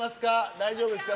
大丈夫ですか？